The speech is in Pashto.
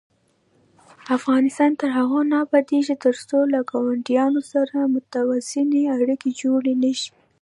افغانستان تر هغو نه ابادیږي، ترڅو له ګاونډیانو سره متوازنې اړیکې جوړې نشي.